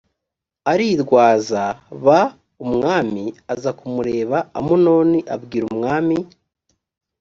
arirwaza b umwami aza kumureba amunoni abwira umwami